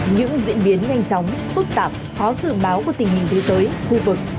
những diễn biến nhanh chóng phức tạp khó dự báo của tình hình thế giới khu vực